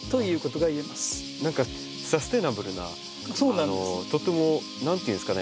何かサステナブルなとっても何ていうんですかね